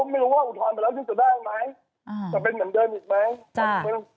แล้วที่ผมเขาไม่รู้ว่าอุทธรณ์ไปแล้วจะได้อย่างไร